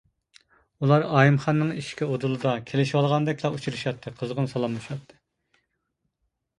ئۇلار ئايىمخاننىڭ ئىشىكى ئۇدۇلىدا كېلىشىۋالغاندەكلا ئۇچرىشاتتى، قىزغىن سالاملىشاتتى.